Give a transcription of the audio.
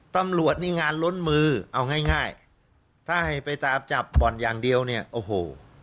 ตำรวจนี่งานล้นมือเอาง่ายง่ายถ้าให้ไปตามจับบ่อนอย่างเดียวเนี่ยโอ้โห